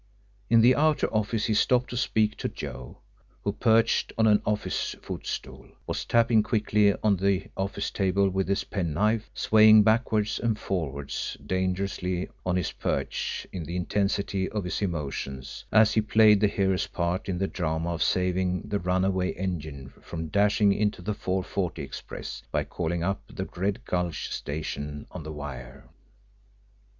In the outer office he stopped to speak to Joe, who, perched on an office footstool, was tapping quickly on the office table with his pen knife, swaying backwards and forwards dangerously on his perch in the intensity of his emotions as he played the hero's part in the drama of saving the runaway engine from dashing into the 4.40 express by calling up the Red Gulch station on the wire.